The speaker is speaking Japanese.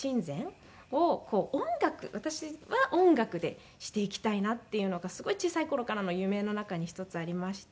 私は音楽でしていきたいなっていうのがすごい小さい頃からの夢の中に一つありまして。